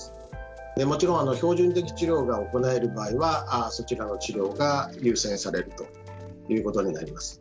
もちろん標準的治療が行える場合はそちらの治療が優先されるということになります。